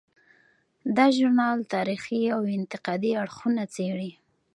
دا ژورنال تاریخي او انتقادي اړخونه څیړي.